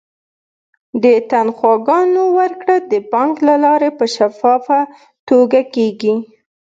د تنخواګانو ورکړه د بانک له لارې په شفافه توګه کیږي.